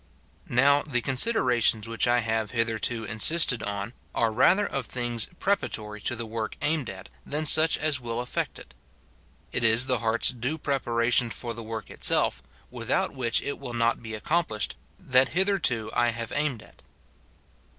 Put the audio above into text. Now, the considerations which I have hitherto insisted on are rather of things 'preparatory to the work aimed at than such as will effect it. It is the heart's due prepa ration for the work itself, without which it will not be accomplished, that hitherto I have aimed at.